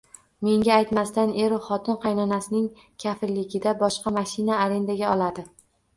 Menga aytmasdan eru xotin qaynonasining kafilligida boshqa mashina arendaga oladi